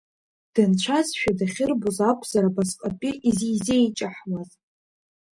Дынцәазшәа дахьырбоз акәзар абасҟатәи изизеиҷаҳуаз?